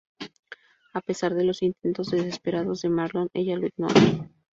A pesar de los intentos desesperados de Marlon, ella lo ignora.